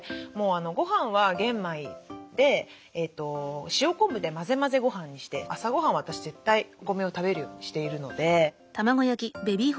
ごはんは玄米で塩昆布で混ぜ混ぜごはんにして朝ごはんは私絶対お米を食べるようにしているので。